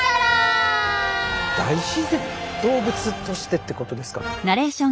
動物としてってことですか？